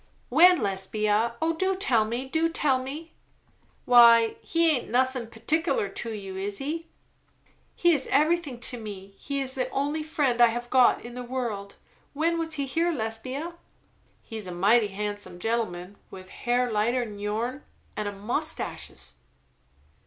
"When, Lesbia? Oh do tell me! do tell me!" "Why he aint nothin' particular to you, is he?" "He is everything to me. He is the only friend I have got in the world. When was he here, Lesbia?" "He's a mighty handsome gentleman, with hair lighter than your'n, and a mustaches?"